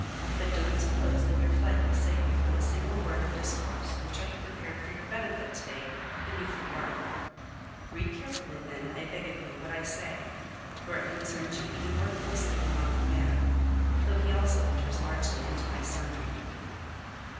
But don't suppose that your flight will save you from a single word of discourse which I had prepared for your benefit to day beneath the rock. Read carefully then, I beg of you, what I say, for it concerns you even more closely than Macumer, though he also enters largely into my sermon.